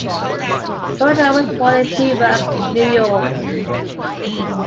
Ludlow was born in Newburgh, New York.